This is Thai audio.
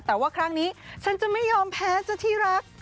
แต่ว่าครั้งนี้ฉันจะไม่ยอมแพ้จะที่รัก